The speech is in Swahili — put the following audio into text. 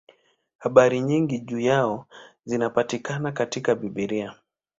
Habari nyingi juu yao zinapatikana katika Biblia.